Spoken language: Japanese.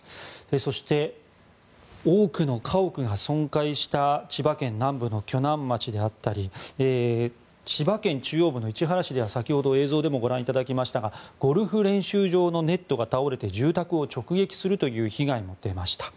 そして、多くの家屋が損壊した千葉県南部の鋸南町であったり千葉県中央部の市原市では先ほど映像でもご覧いただきましたがゴルフ練習場のネットが倒れて住宅を直撃するという被害も出ました。